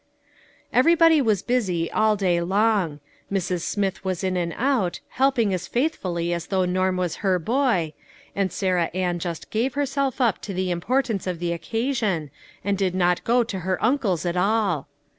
Everybody was busy all day long. Mrs. Smith was in and out, helping as faithfully as though Norm was her boy, and Sarah Ann just gave herself up to the importance of the occasion, and did not go to her uncle's at all.